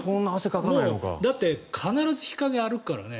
だって、必ず日陰を歩くからね。